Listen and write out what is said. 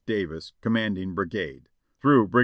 Davis, Commanding Brigade. "(Through Brig.